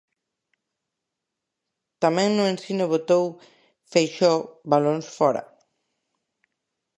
Tamén no ensino botou Feixóo balóns fóra.